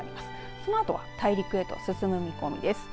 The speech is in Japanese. そのあとは大陸へと進む見込みです。